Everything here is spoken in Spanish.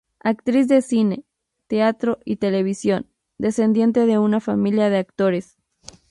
Actriz de cine, teatro y televisión, descendiente de una familia de actores.